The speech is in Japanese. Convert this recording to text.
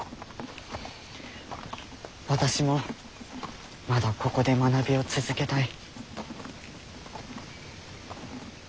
私もまだここで学びを続けたい。